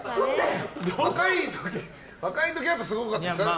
若い時はすごかったですか？